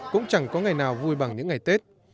cũng chẳng có ngày nào vui bằng những ngày tết